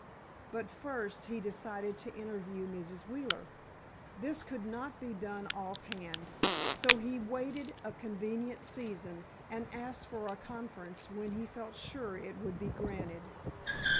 But first, he decided to interview Mrs. Wheeler. This could not be done offhand, so he waited a convenient season, and asked for a conference when he felt sure it would be granted.